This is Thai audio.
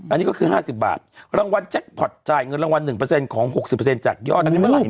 อันนี้ก็คือ๕๐บาทรางวัลแจ็คพอร์ตจ่ายเงินรางวัล๑ของ๖๐จัดยอด